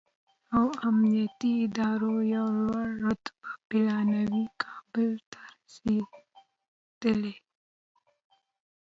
او امنیتي ادارو یو لوړ رتبه پلاوی کابل ته رسېدلی